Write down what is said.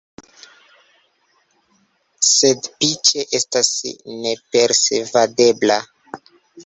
Sed Biĉe estas nepersvadebla.